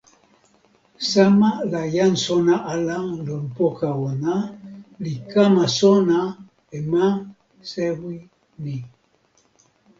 sama la jan sona ala lon poka ona li kama sona e ma sewi ni.